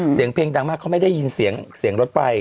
เสียงเพลงดังมากเขาไม่ได้ยินเสียงรถไฟ